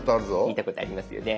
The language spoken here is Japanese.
見たことありますよね。